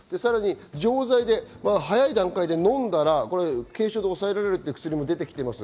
錠剤で早い段階で飲んだら軽症で抑えられるという薬も出てきています。